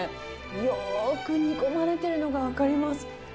よーく煮込まれているのが分かります。